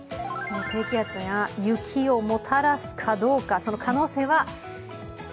低気圧が雪をもたらすかどうかその可能性は３０４０％。